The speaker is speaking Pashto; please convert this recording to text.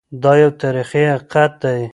دا یو تاریخي حقیقت دی.